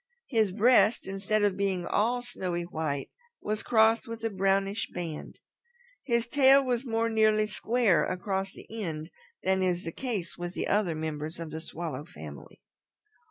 His breast, instead of being all snowy white, was crossed with a brownish band. His tail was more nearly square across the end than is the case with other members of the Swallow family.